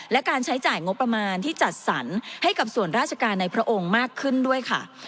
และการใช้จ่ายงบประมาณที่จัดสรรให้กับส่วนราชการในพระองค์มากขึ้นด้วยค่ะ